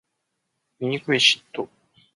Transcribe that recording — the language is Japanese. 醜い嫉妬